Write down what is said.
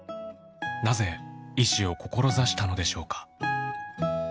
なぜ医師を志したのでしょうか？